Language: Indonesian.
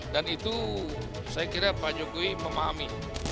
dan itu saya kira pak jokowi memahami